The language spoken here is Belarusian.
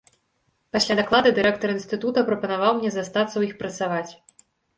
Пасля даклада дырэктар інстытута прапанаваў мне застацца ў іх працаваць.